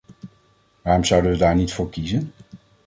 Waarom zouden we daar niet voor kiezen?